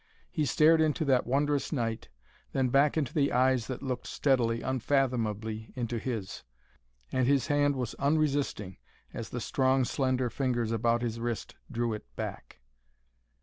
He stared into that wondrous night, then back into the eyes that looked steadily, unfathomably, into his.... And his hand was unresisting as the strong, slender fingers about his wrist drew it back....